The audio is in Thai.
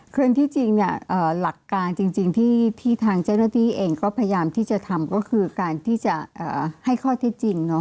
คือที่จริงหลักการจริงที่ทางเจ้าหน้าที่เองก็พยายามที่จะทำก็คือการที่จะให้ข้อเท็จจริง